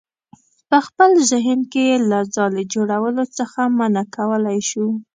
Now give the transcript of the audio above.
په خپل ذهن کې یې له ځالې جوړولو څخه منع کولی شو.